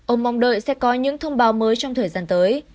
ông mong đợi sẽ có những thông báo mới trong thời gian tới